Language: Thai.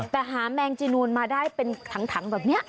แต่หาแมงจีนูนมาได้เป็นถังแบบนี้